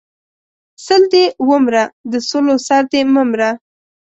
سل دې و مره، د سلو سر دې مه مره!